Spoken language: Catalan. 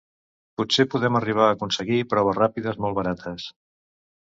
Potser podem arribar a aconseguir proves ràpides molt barates.